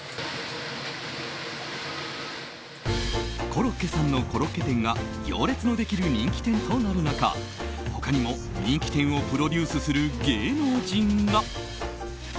コロッケさんのコロッケ店が行列のできる人気店となる中他にも人気店をプロデュースする芸能人が。